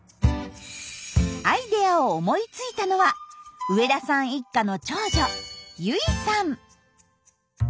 アイデアを思いついたのは植田さん一家の長女結衣さん。